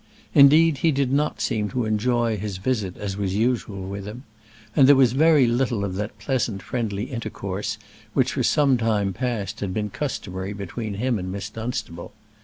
Indeed, he did not seem to enjoy his visit as was usual with him; and there was very little of that pleasant friendly intercourse which for some time past had been customary between him and Miss Dunstable.